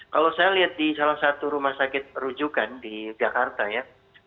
kalau saya lihat di salah satu rumah sakit rujukan di jakarta ya